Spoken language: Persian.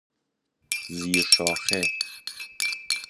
زیر شاخه